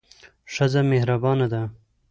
ښځه مهربانه ده.